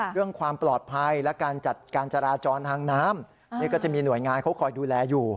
เรื่องความปลอดภัยและการจัดการจราจรทางน้ำนี่ก็จะมีหน่วยงานเขาคอยดูแลอยู่